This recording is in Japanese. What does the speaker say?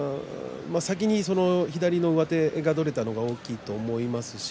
左の上手を先に取れたのが大きいと思いますね。